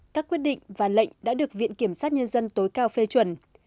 các quyết định và lệnh đã được viện kiểm sát nhân dân tối cao phê chuẩn